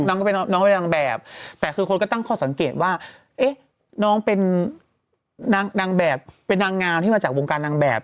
น้องก็เป็นน้องเป็นนางแบบแต่คือคนก็ตั้งข้อสังเกตว่าเอ๊ะน้องเป็นนางนางแบบเป็นนางงามที่มาจากวงการนางแบบ